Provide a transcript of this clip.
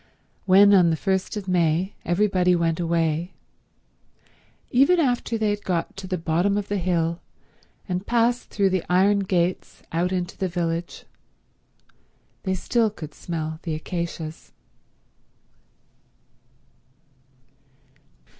When, on the first of May, everybody went away, even after they had got to the bottom of the hill and passed through the iron gates out into the village they still could smell the acacias.